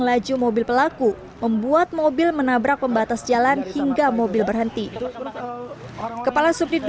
laju mobil pelaku membuat mobil menabrak pembatas jalan hingga mobil berhenti kepala subdit dua